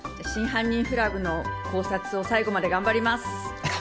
『真犯人フラグ』の考察を最後まで頑張ります。